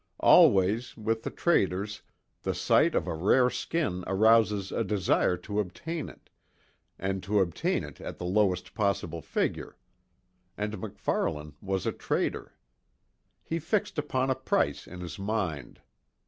Always, with the traders, the sight of a rare skin arouses a desire to obtain it and to obtain it at the lowest possible figure. And MacFarlane was a trader. He fixed upon a price in his mind.